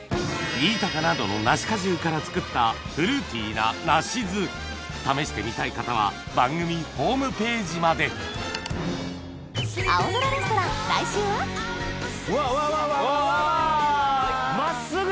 新高などの梨果汁から造ったフルーティーな梨酢試してみたい方は番組ホームページまでうわわわ真っすぐ！